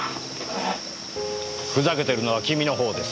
ふざけてるのは君のほうです。